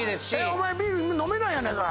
お前ビール飲めないやないかい！